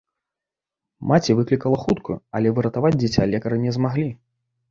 Маці выклікала хуткую, але выратаваць дзіця лекары не змаглі.